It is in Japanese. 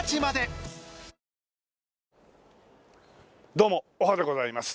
どうもおはでございます。